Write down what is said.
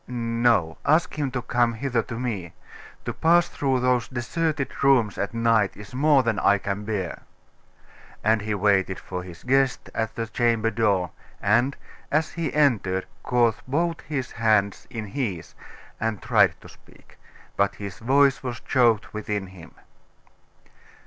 'No, ask him to come hither to me. To pass through those deserted rooms at night is more than I can bear.' And he waited for his guest at the chamber door, and as he entered, caught both his hands in his, and tried to speak; but his voice was choked within him.